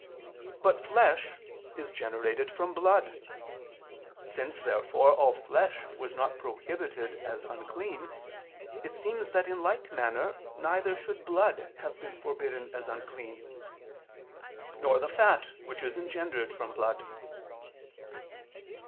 But flesh is generated from blood. Since therefore all flesh was not prohibited as unclean, it seems that in like manner neither should blood have been forbidden as unclean; nor the fat which is engendered from blood.